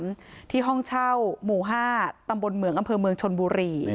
เกิดขึ้นเมื่อวานบ่าย๓ที่ห้องเช่าหมู่๕ตำบลเมืองอำเภอเมืองชนบุรี